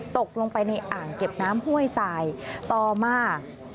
ตกลงไปในอ่างเก็บน้ำห้วยสายต่อมา